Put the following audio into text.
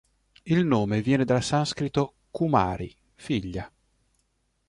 Il nome viene dal sanscrito "kumari", figlia.